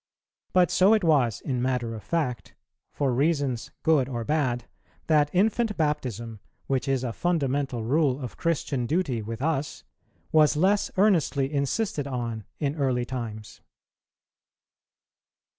But so it was in matter of fact, for reasons good or bad, that infant baptism, which is a fundamental rule of Christian duty with us, was less earnestly insisted on in early times.